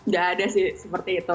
gak ada sih seperti itu